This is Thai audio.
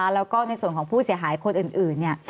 แล้วก็ในส่วนของผู้เสียหายคนอื่น